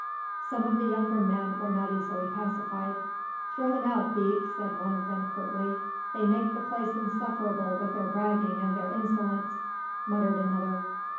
Some of the younger men were not easily pacified. "Throw them out, Beek," said one of them curtly. "They make the place insufferable with their bragging and their insolence," muttered another.